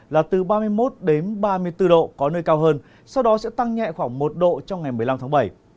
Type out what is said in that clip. là từ ba mươi một đến ba mươi bốn độ có nơi cao hơn sau đó sẽ tăng nhẹ khoảng một độ trong ngày một mươi năm tháng bảy